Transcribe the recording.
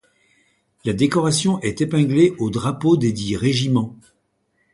La décoration est épinglée aux drapeaux desdits régiments.